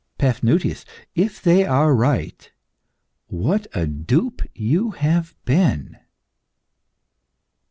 Paphnutius, if they are right, what a dupe you have been!"